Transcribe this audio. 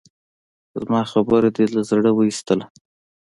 زما خبره دې له زړه اوېستله؟